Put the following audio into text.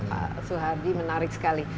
pak suhardi menarik sekali